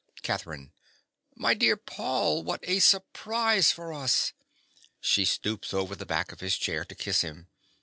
_) CATHERINE. My dear Paul, what a surprise for us. (_She stoops over the back of his chair to kiss him.